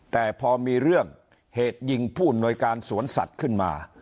แต่พอมีเรื่องเหตุยิงผู้อำนวยการสวนสัตว์ขึ้นมา